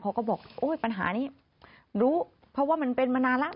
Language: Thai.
เขาก็บอกโอ้ยปัญหานี้รู้เพราะว่ามันเป็นมานานแล้ว